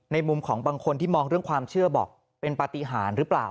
มุมของบางคนที่มองเรื่องความเชื่อบอกเป็นปฏิหารหรือเปล่า